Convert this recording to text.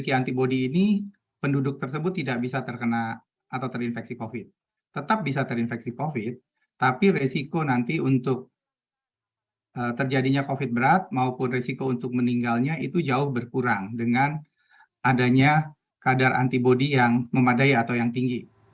ketiga antipodi yang memadai atau yang tinggi